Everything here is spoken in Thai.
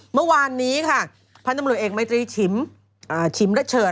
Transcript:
เมื่อวานนี้ค่ะพันธมรุเอกไมธรีชิมละเฉิด